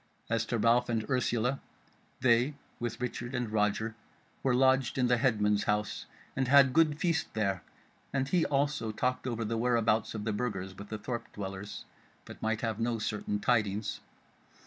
As to Ralph and Ursula they, with Richard and Roger, were lodged in the headman's house, and had good feast there, and he also talked over the where abouts of the Burgers with the thorp dwellers, but might have no certain tidings.